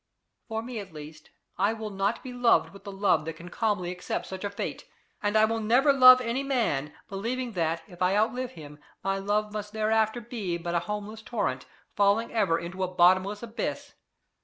For me at least I will NOT be loved with the love that can calmly accept such a fate. And I will never love any man, believing that, if I outlive him, my love must thereafter be but a homeless torrent, falling ever into a bottomless abyss.